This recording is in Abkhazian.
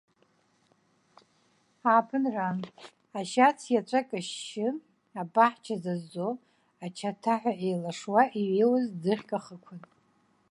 Ааԥынран, ашьац иаҵәа кашьшьы, абаҳча зазо, ачаҭаҳәа еилашуа иҩеиуаз ӡыхьк ахықәан.